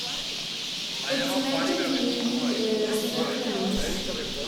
Its major community is Skokomish.